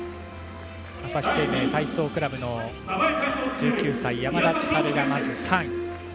朝日生命体操クラブの１９歳山田千遥がまず３位。